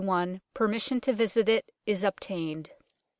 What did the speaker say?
i, permission to visit it is obtained.